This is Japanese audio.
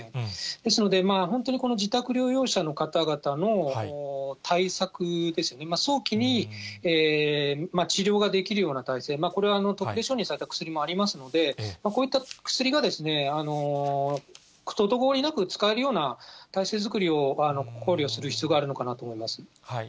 ですので、本当にこの自宅療養者の方々の対策ですよね、早期に治療ができるような体制、これ、特定承認された薬もありますので、こういった薬が滞りなく使えるような体制作りを、考慮する必要があるのかなと思います。